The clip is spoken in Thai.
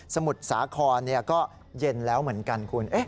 มุทรสาครก็เย็นแล้วเหมือนกันคุณ